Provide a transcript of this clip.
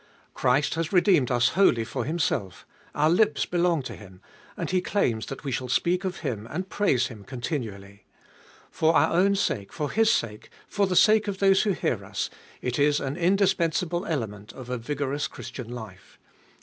Christ has redeemed us wholly for Himself; our lips belong to Him, and He claims that we shall speak of Him and praise Him continually. For our own sake, for His sake, for the sake of those who hear us, it is an indis pensable element of a vigorous Christian life.